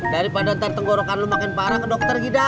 daripada ntar tenggorokan lo makin parah ke dokter gitu